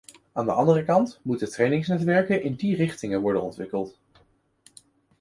Aan de andere kant moeten trainingsnetwerken in die richting worden ontwikkeld.